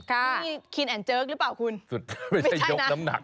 นี่คินแอนเจิกหรือเปล่าคุณสุดไม่ใช่ยกน้ำหนัก